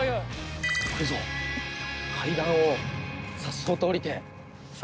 階段をさっそうと下りて。